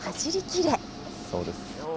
そうです。